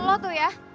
lo tuh ya